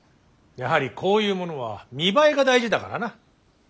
やはりこういうものは見栄えが大事だからな。